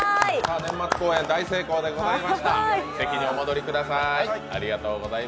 年末公演、大成功でございました。